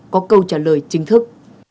có câu trả lời chính thức